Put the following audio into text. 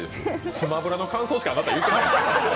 「スマブラ」の感想しかあなた言ってないよ。